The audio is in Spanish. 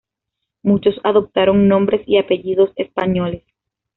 Muchos adoptaron nombres y apellidos españoles.